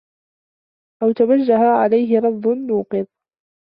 أَوْ تَوَجَّهَ عَلَيْهِ رَدٌّ نُوقِضَ